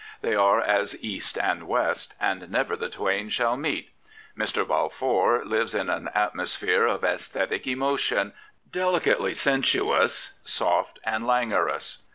They are as East and West, " and never the twain shall meet." Mr. Balfour lives in an atmosphere of aesthetic emotion, delicately sensuous, soft, and languorous.